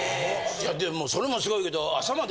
いやでもそれもすごいけど。